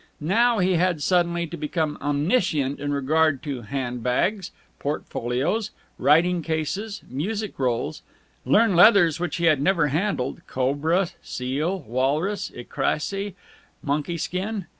Now he had suddenly to become omniscient in regard to hand bags, portfolios, writing cases, music rolls; learn leathers which he had never handled cobra seal, walrus, écrasé, monkey skin.